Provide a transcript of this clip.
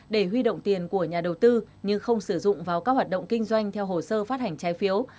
để huy động tiền của nhà đầu tư nhưng không sử dụng vào các hoạt động kinh doanh theo hồ sơ phát hành trái phiếu